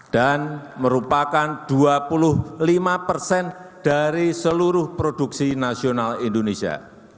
dan merupakan dua puluh lima persen dari seluruh produksi nasional indonesia